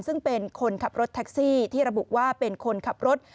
ซึ่งเป็นคนขับรถแท็กซี่ที่ระบุว่าเป็นคนขับรถ